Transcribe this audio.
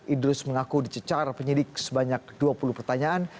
idrus mengaku dicecar penyidik sebanyak dua puluh pertanyaan